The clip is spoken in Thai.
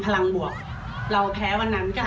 แนนสูงสุดท้ายที่บราซิลครับ